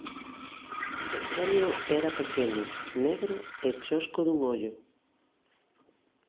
Petronio era pequeno, negro, e chosco dun ollo.